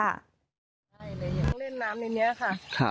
นั่งเล่นน้ำอย่างนี้ค่ะ